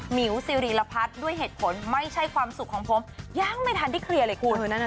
หิวซีรีรพัฒน์ด้วยเหตุผลไม่ใช่ความสุขของผมยังไม่ทันได้เคลียร์เลยคุณ